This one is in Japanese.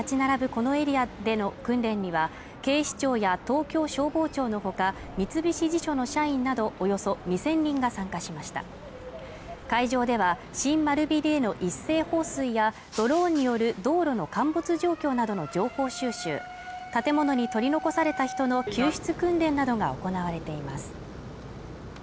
このエリアでの訓練には警視庁や東京消防庁のほか三菱地所の社員などおよそ２０００人が参加しました会場では新丸ビルへの一斉放水やドローンによる道路の陥没状況などの情報収集建物に取り残された人の救出訓練などが行われています